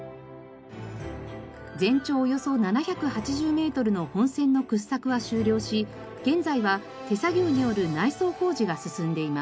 全長およそ７８０メートルの本線の掘削は終了し現在は手作業による内装工事が進んでいます。